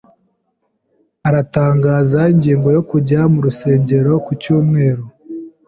Aratanga ingingo yo kujya mu rusengero ku cyumweru.